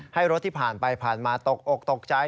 ให้รถที่ผ่านไปผ่านมาตกอกตกใจ